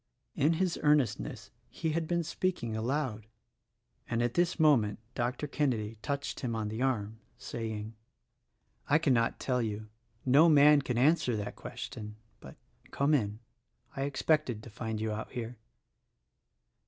In his earnestness he had been speaking aloud; and at this moment Dr. Kenedy touched him on the arm, saying, 38 THE RECORDING ANGEL "I cannot tell you. No man can answer that question. But, come in. I expected to find you out here."